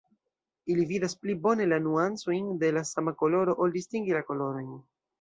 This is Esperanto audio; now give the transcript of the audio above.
Ili vidas pli bone la nuancojn de la sama koloro, ol distingi la kolorojn.